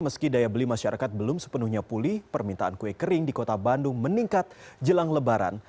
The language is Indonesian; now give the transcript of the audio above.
meski daya beli masyarakat belum sepenuhnya pulih permintaan kue kering di kota bandung meningkat jelang lebaran